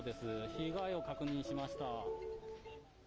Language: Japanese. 被害を確認しました。